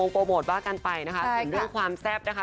โปรโมทว่ากันไปนะคะส่วนเรื่องความแซ่บนะคะ